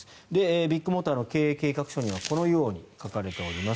ビッグモーターの経営計画書にはこのように書かれています。